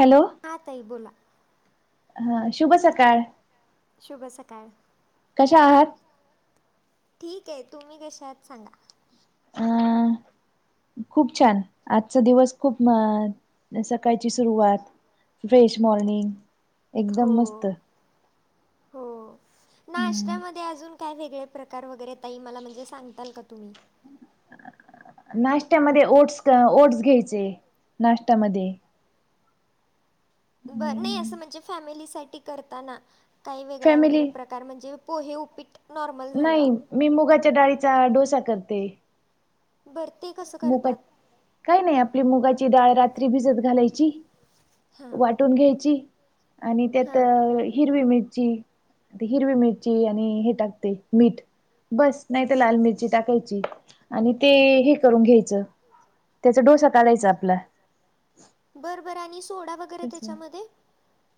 Hello... हा, ताई बोला. हा शुभ सकाळ. शुभ सकाळ. कशा आहात? ठीक आहे. तुम्ही कशात सांगा? अ [unintelligible] [inaudible] खूप छान, आजचा दिवस खूप अ सकाळची सुरुवात. Fresh morning. एकदम हो! मस्त हो! हम्म नाश्त्यामध्ये अजून. काय वेगळे प्रकार वगैरे ताई मला म्हणजे सांगताल का तुम्ही? [inaudible] नाश्त्यामध्ये ओट्स ओट्स घ्यायचे [inaudible] नाश्त्यामध्ये बर नाही आणि असं म्हणजे [inaudible] फॅमिलीसाठीठी करताना काही वेगळा फॅमिली वगैरे प्रकार. [inaudible] कारण म्हणजे पोहे उ [inaudible] पीट नाही, मी मुगाच्या डाळीचा डोसा करते. बरं ते कसं मुग करतात काय नाही, आपली मुगाची डाळ रात्री भिजत घालायची. हा.. टून घ्यायची आणि त्यात हिरवी मिरची हिरवी मिरची आणि हे टाकते मीठ. बस नाही तर लाल मिरची टाकायची आणि ते [inaudible] ून घ्यायच त्याचा डोसा काढायचा आपला. बर बरं आणि सोडा वगैरे तस त्याच्यामध्ये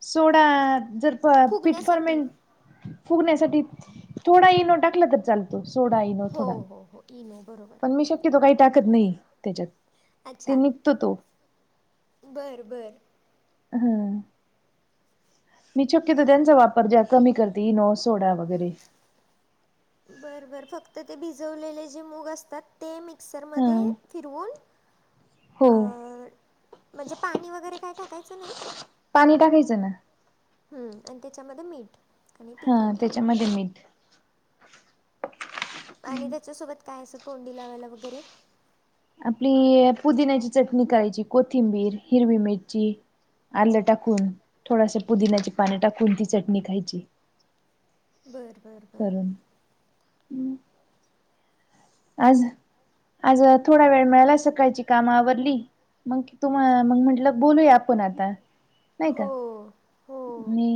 सोडा जर प फुगण्यासाठी पिटपर्मेंट. फुगण्यासाठी थोडा [inaudible] ये नो टाकला तर चाल सोडा इईनो हो थोडा हो हो इनो बरोबर पण मी शक्यतो काही टाकत नाही त्याच्यात. ते अच्छ, निघतो तो बरं! बरं! [inaudible] हम्म मी शक्यतो त्यांचा वापर ज्या कमी करते इनो, सोडा वगैरे बर बर फक्त ते भिजवलेले जे मूग असतात. ते मी [inaudible] हा सरमध्ये फिरवून अ. हो म्हणजे पाणी वगैरे काय टाकायचं नाही? [inaudible] टायच ना हम्म, आणि त्याच्यामध्ये मीठ. आणि हा तिखट त्याच्यामध्ये [inaudible] मी आणि त्याच्यासोबत काय असं तोंडी लावायला वगैरे आपली पुदिन्याची चटणी करायची कोथिंबीर, हिरवी मिरची. आलं टाकून, थोडस पुदिन्याची पाने टाकून ती चटणी खायची. बर बर. करून. हम. आज आज थोडा वेळ मिळाला सकाळची काम आवरली मग की तुम्हाला मग म्हटलं बोलूया आपण आता. नाही का? हो हो मी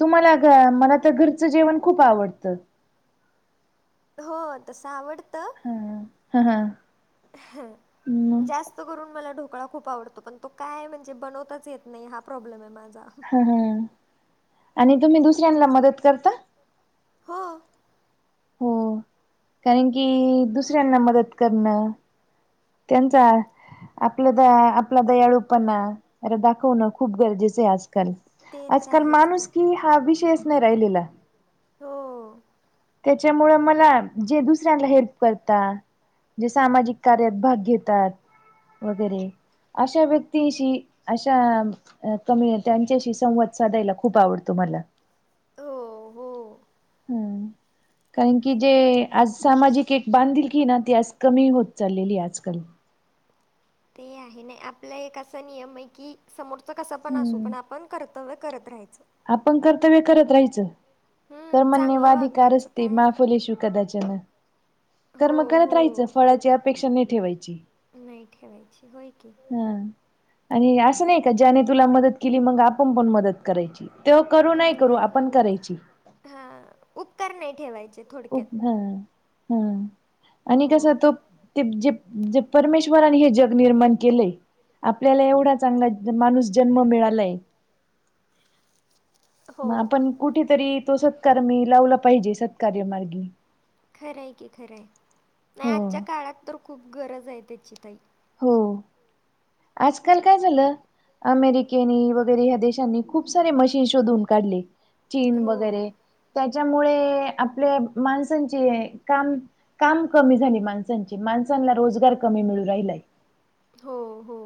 तुम्हाला मला तर घरचं जेवण खूप आवडतं. हो तसं आवडतं हा हां हां. ह जास्त त करून मला ढोकळा खूप आवडतो, पण तो काय म्हणजे बनवताच येत नाही हा प्रॉब्लेम आहे माझा ह आणि तुम्ही दुसऱ्यांनला मदत करता? हां. हो कारण की दुसऱ्यांना मदत करणं त्यांचा आपल द आपला दयाळूपणा अर दाखवणं खूप गरजेच आहे आज काल ते तर आजकाल आहेच माणूस की हा विषयच नाही राहिलेला. हो. तेच्यामुळं मला जे दुसऱ्यांना हेल्प करता जी सामाजिक कार्यात भाग घेतात वगैरे अशा व्यक्तींशी अशा अ कमी त्यांच्याशी संवाद साधायला खूप आवडतो मला. हो. हो हम्म कारण की जे आज सामाजिक एक बांधील की हे ना ती आज कमी होत चाललेली आजकाल. ते आहे नाही आपलं एक असा नियम आहे की समोरचा कसा पण असो हम्म पण आपण करत तव्य करत राहायचं. आपण कर्तव्य करत राहायचं कर हम्म म्हण्य, चांगलं वादीका, वागायचं रस्ते, काय माफुलेशु कदा चन हो कर्म करत राहायचं हो फळाची अपेक्षा नाही ठेवायची. नाही ठेवायची होय की. हा आणि असं नाही का ज्याने तुला मदत केली मग आपण पण मदत करायची तो करू नाही करू आपण करायची. हा उपकार नाही ठेवायचे. थोडक्यात हा हां आणि हो कसा तो ते जी परमेश् वरानी हे जग निर्माण केलय. आपल्याला एवढा चांगला माणूस जन्म मिळालय [inaudible] म हो आपण कुठ तरी तो सत्कारमी लावला पाहिजे सत्कार्य मार्गी. खरं हाय की खरं हाय नाही हो आजच्या काळात तर खूप गरज आहे त्याची ताई. हो आजकाल काय झालं? अमेरिकेनी, वगैरे ह्या देशांनी खूप सारे मशीन शोधून काढले चीन हो वगैरे त्याच्यामुळे आपले माणसांचे काम काम कमी झाली माणसांची माणसांनला रोजगार कमी मिळू राहिलाय. हो हो.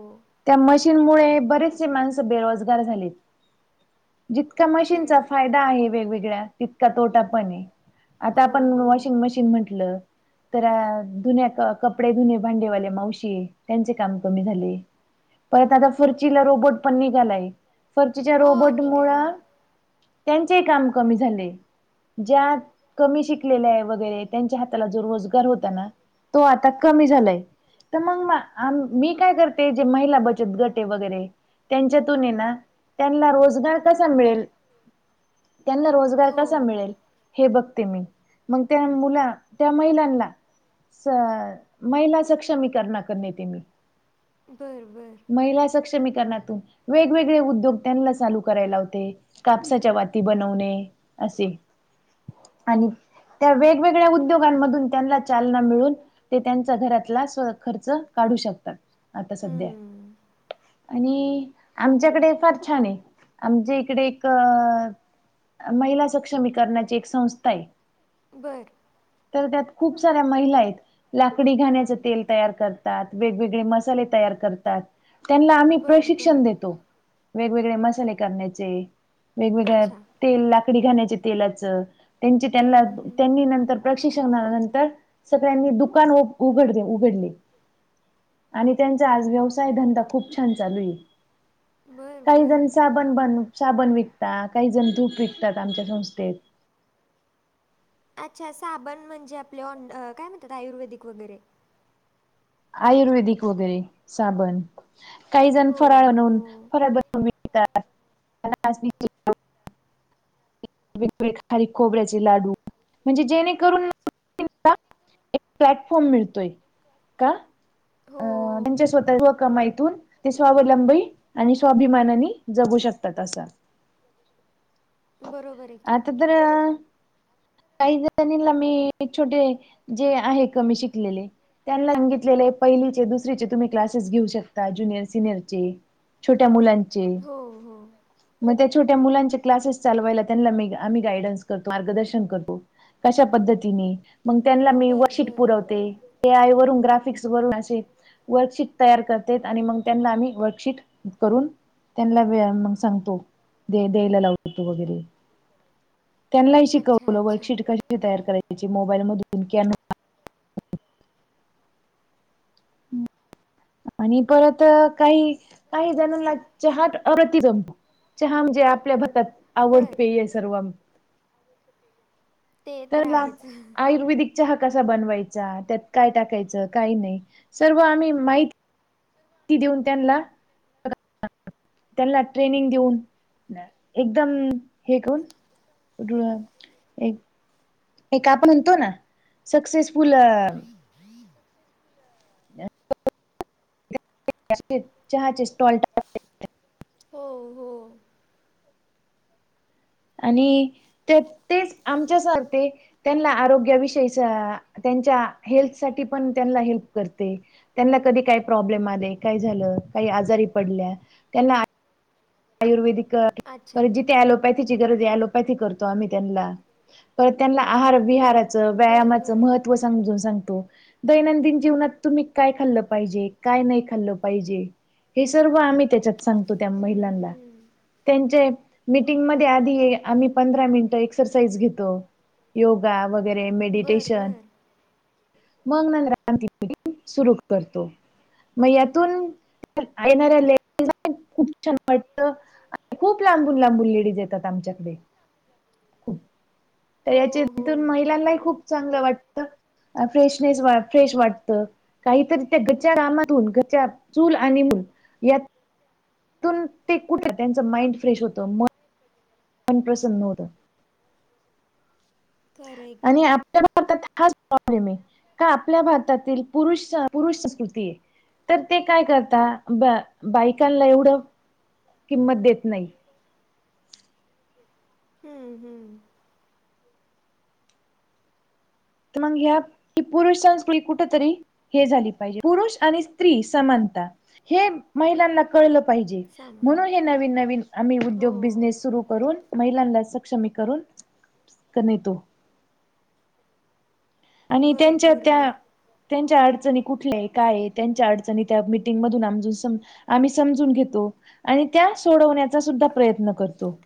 त्या मशीन मुळे बरेचसे माणस बेरोजगार झालेत. जितका मशीनचा फायदा आहे वेगवेगळ्या तितका तोटापण हाय. आता हो आपण हो वॉशिंग मशीन म्हटलं तर धुन्या कपडे, धुने भांडेवाले मावशी त्यांचे काम कमी झाले. परत आता फर्चीला रोबोट पण निघालाय फर्चीच्या हो रोबोट मुळ निघाला आहे त्यांचेही काम कमी झाले. ज्या कमी शिकलेल्या आहे वगैरे त्यांच्या हाताला जो रोजगार होता ना. तो आता कमी झालाय तर मग मी काय करते ते जे महिला बचत गट आहे वगैरे. त्यांच्यातून ये ना त्यांना रोजगार कसा मिळेल? त्यांना रोजगार कसा हो मिळेल? हे बघते मी, मग त्या मुला त्या महिलांना स महिला सक्षमीकरणा कर नेते मी. बरं बरं. महिला सक्षमीकरणातून वेगवेगळे उद्योग त्यांना चालू करायला होते. कापसाचा वाती बनवणे असे, आणि त्या वेगवेगळ्या उद्योगांमधून त्यांना चालना मिळेल. ते त्यांचा घरातला स्व खर्च काढू शकतात आता सध्या. हम्म आणि आमच्याकडे फार छान आहे आमच्या इकडे एक अ महिला सक्षमीकरणाची एक संस्था आहे. बरं. तर त्यात खूप साऱ्या महिला आहेत. लाकडी घाण्याच तेल तयार करतात वेगवेगळे मसाले तयार करतात त्यांना आम्ही बरं बरं प्रशिक्षण देतो वेगवेगळे मसाले करण्याचे. वेगवेगळ्या अच्छा तेल लाकडी घाण्याचे तेलाच त्यांची हं, त्यांना हं, हं. त्यांनी नंतर प्रशिक्षणा नंतर सगळ्यांनी दुकान उघडले, उघडली. त्यांचा आज व्यवसाय धंदा खूप छान चालू आहे. बरं काही बरं जण साबण बन, साबण विकता काही जण धूप विकतात आमच्या संस्थेत. अच्छा साबण म्हणजे आपले ऑंड काय म्हणतात आयुर्वेदिक वगैरे. आयुर्वेदिक वगैरे साबण काही जण हो फराळ हो बनून, फराळ [unintelligible] वेगवेगळे खारीक खोबऱ्याचे लाडू म्हणजे जेणेकरून [unintelligible] एक प्लॅटफॉर्म मिळतोय. का? अ हो आमचे स्वतः कमाईतून ते स्वावलंबी आणि स्वाभिमानानी जगू शकतात, असं. [inaudible] बरोबर आहे की. आता तर, - काही जणीला मी छोटे जे आहे कमी शिकलेले त्यांना सांगितलेले पहिलीचे दुसरीचे तुम्ही क्लासेस घेऊ शकता ज्युनियर, सिनियरचे. छोट्या मुलां हो हो. मग त्या छोट्या मुलांचे क्लासेस चालवायला त्यांना मी आम्ही गायडन्स करतो मार्गदर्शन करतो. अशा पद्धतीने मग त्यांना मी बरं वर्कशीट बरं पुरवते [unintelligible] पंद्रा फिक्स करून असे. वर्कशीट तयार करते आणि मग त्यांना आम्ही वर्कशीट करून त्यांना [unintelligible] मग सांगतो, दे द्यायला लावतो वगैरे. त्यांनाही अच्छा शिकवलं अच्छा वर्कशीट कशी तयार करायची? मोबाईलमधून कॅन आणि परत काही काही जणांना चहाट अती जम चहा म्हणजे आपल्या भारतात बरं आवडतेय सर्व ते तर त्याला आहेच. आयुर्वेदिक चहा कसा बनवायचा त्यात काय टाकायच काही सर्व आम्ही माहि देऊन त्यांना त्यांना ट्रेनिंग देऊन एकदम हे कोण? एक एक आपण म्हणतो ना सक्सेसफुल चहाचे स्टॉल टाकणं हो हो. आणि ते तेच आमच्यासारखे त्यांना आरोग्याविषयी त्यांच्या हेल्थ साठी पण त्यांना हेल्प करते. त्यांना कधी काय प्रॉब्लेम आले, काय झालं काही आजारी पडल्या त्यां आयुर्वेदिक [unintelligible] अच्छा पॅथीची गरज आहे ऍलोपॅथी करतो आम्ही त्यांना. परत त्यांना आहार विहार बरं व्यायामाच बरं महत्त्व समजून सांगतो. दैनंदिन जीवनात तुम्ही काय खाल्लं पाहिजे काय नाही खाल्लं पाहिजे? हे सर्व आम्ही त्याच्यात सांगतो त्या हं, महिलांना. हं. त्यांचे मीटिंग मध्ये आधी आम्ही पंधरा मिनिटं एक्सरसाइज घेतोय. योगा वगैरे बरं मेडिटेशन बरं मग नंतर आपण ते सुरू करतो. मग यातून येणाऱ्या लेडीजला खूप छान [unintelligible] खूप लांबून लांबून लेडीज येतात आमच्याकडे. खूप तर हो हो याच्यातून महिलांनाही खूप चांगलं वाटतं फ्रेशनेस वा फ्रेश वाटत. काहीतरी त्या घरच्या कामातून घरच्या चूल आणि मूल यात तुन ते कुठं त्यांच माईंड फ्रेश होत मग मन प्रसन्न होत. खरं आहे आणि आप [inaudible] हाच प्रॉब्लेम आहे का आपल्या भारतातील पुरुष अ पुरुष संस्कृती आहे. तर ते काय करतात ब बायकांला एवढं किंमत देत नाहीत. हम्म हम्म. तर मग ह्या पुरूष संस्कृती कुठ तरी हे झाली पाहिजे. पुरुष आणि स्त्री समानता हे महिलांना कळलं पाहिजे. म्हणून हे समानता नवीन नवीन आम्ही हो उद्योग बिझनेस सुरू करून महिलांना सक्षमी करून कमीवतो. आणि बरं त्यांच्या बरं त्या बरं त्यांच्या अडचणी कुठल्या आहे काय आहे त्यांच्या अडचणी त्या मीटिंगमधून समजू आम्ही समजून घेतो आणि त्या सोडवण्याचा सुद्धा प्रयत्न करतो.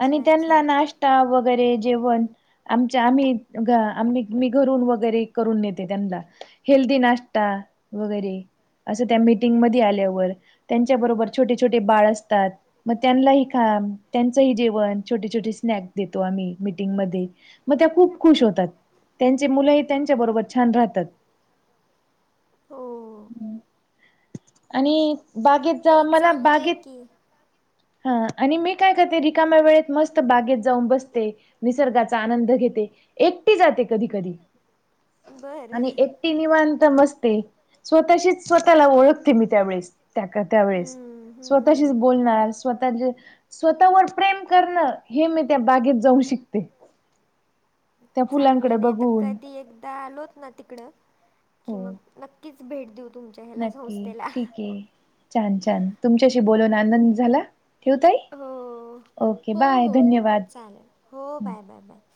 आणि त्यांना अच्छा नाश्ता वगैरे जेवण आमच्या आम्ही ग आम्ही मी घरून वगैरे करून नेते त्यांना. हेल्दी नाश्ता वगैरे असं त्या मीटिंग मध्ये आल्यावर त्यांच्या बरोबर छोटे छोटे बाळ असतात मग त्यांला ही खा त्यांचंही जेवण छोटे छोटे स्नॅक देतो आम्ही मिटिंगमध्ये मग त्या खूप खुश होतात. त्यांची मुलंही त्यांच्याबरोबर छान राहतात. हो आणि बागेत जवा नाही मला चांगलं आहे बागेत- की. हा आणि मी- काय करते रिकाम्या वेळेत मस्त बागेत जाऊन बसते निसर्गाचा आनंद घेते. एकटी जाते कधी कधी बरं आणि एक- ती निवांत बसते स्वतःशीच स्वतःला ओळखते मी त्यावेळेस त्या का त्यावेेळेस- हम्म स्वतःशीच हम्म. बोलणार स्वतः जे- स्वतःवरच प्रेम करणं हे मी त्या बागेत जाऊन शिकते. त्या चांगलं फुलांकडे आहे नाही आता बघून कधी एकदा आलोत ना तिकड कि हो मग नक्कीच- भेट देऊ तुमच्या हेला नक्की होस्टेलला - ठीक आहे. छान छान तुमच्याशी बोलून आनंद झाला ठेवू ताई. हो. ओके हो बाय- हो हो चालेल हो हं. Bye bye bye.